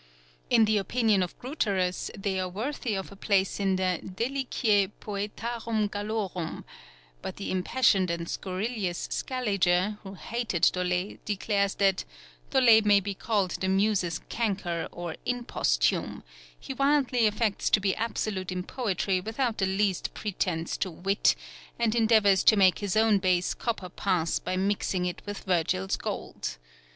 In the opinion of Gruterus they are worthy of a place in the Deliciae Poetarum Gallorum; but the impassioned and scurrilous Scaliger, who hated Dolet, declares that "Dolet may be called the Muse's Canker, or Imposthume; he wildly affects to be absolute in Poetry without the least pretence to wit, and endeavours to make his own base copper pass by mixing with it Virgil's gold.